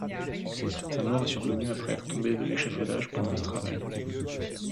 Sa mort est survenue après être tombé de l'échafaudage pendant ce travail.